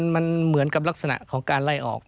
มันเหมือนกับลักษณะของการไล่ออก